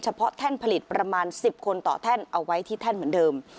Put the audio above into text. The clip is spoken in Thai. เพาะผลิตประมาณ๑๐คนต่อแท่นเอาไว้ที่แท่นเหมือนเดิม